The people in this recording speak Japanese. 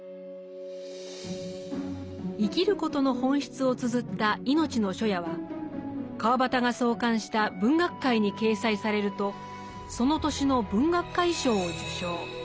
生きることの本質をつづった「いのちの初夜」は川端が創刊した「文學界」に掲載されるとその年の文學界賞を受賞。